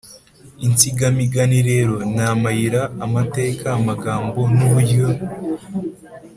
– Insigamigani rero ni amayira, amateka, amagambo, n’uburyo